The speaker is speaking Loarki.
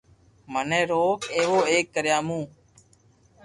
متي روڪ اينو ايڪ ڪريا مون